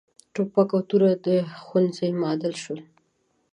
ټوپک او توره د ښوونځیو معادل شول.